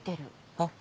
あっ。